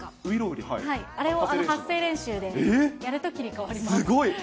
あれを発声練習やると切り替わります。